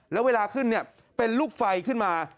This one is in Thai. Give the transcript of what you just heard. แล้วเวลาขึ้นเป็นลูกไฟขึ้นมา